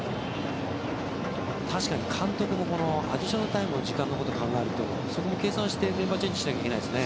確かに監督もアディショナルタイムの時間のことを考えるとそこも計算してメンバーチェンジしなきゃいけないですね。